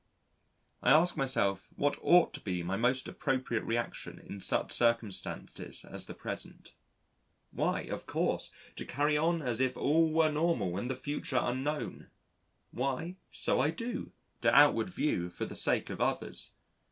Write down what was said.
I ask myself what ought to be my most appropriate reaction in such circumstances as the present? Why, of course, to carry on as if all were normal, and the future unknown: why, so I do, to outward view, for the sake of the others.